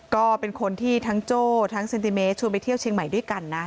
ก็เป็นคนที่ทั้งโจ้ทั้งเซนติเมตรชวนไปเที่ยวเชียงใหม่ด้วยกันนะ